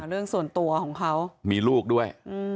เรื่องส่วนตัวของเขามีลูกด้วย